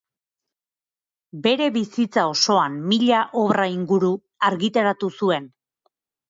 Bere bizitza osoan mila obra inguru argitaratu zuen.